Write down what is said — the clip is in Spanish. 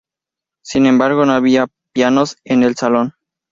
Sin embargo, no había pianos en el salón.